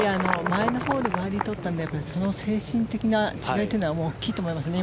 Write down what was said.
前のホールでバーディー取ったのでその精神的な違いというのは大きいと思いますね。